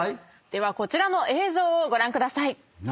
ではこちらの映像をご覧ください。